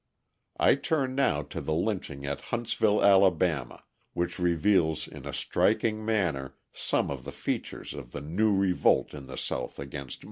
I turn now to the lynching at Huntsville, Ala., which reveals in a striking manner some of the features of the new revolt in the South against mob law.